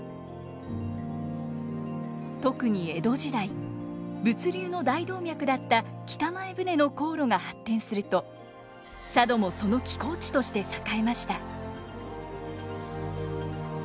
特に江戸時代物流の大動脈だった北前船の航路が発展すると佐渡もその寄港地として栄えました。